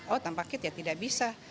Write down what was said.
oh tanpa kit ya tidak bisa